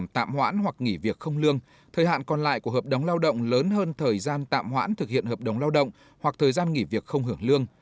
thời hạn còn lại của hợp đồng lao động lớn hơn thời gian tạm hoãn thực hiện hợp đồng lao động hoặc thời gian nghỉ việc không hưởng lương